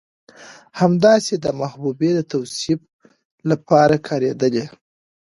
همداسې د محبوبې د توصيف لپاره کارېدلي